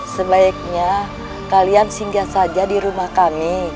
sebaiknya kalian singgah saja di rumah kami